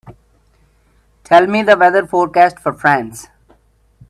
Tell me the weather forecast for France